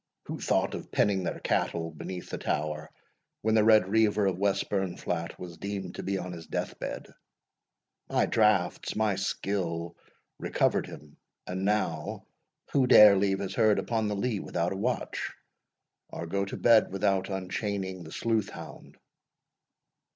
Who thought of penning their cattle beneath the tower when the Red Reiver of Westburnflat was deemed to be on his death bed? My draughts, my skill, recovered him. And, now, who dare leave his herd upon the lea without a watch, or go to bed without unchaining the sleuth hound?"